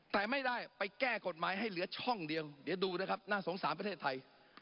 แต่ไม่ได้ไปแก้กฎหมายให้เหลือช่องเดียวเดี๋ยวดูนะครับน่าสงสารประเทศไทย